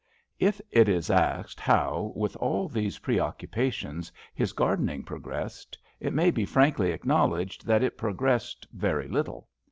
If it is asked how, with all these pre occupations, his gardening progressed, it may be frankly acknowledged that it progressed very little.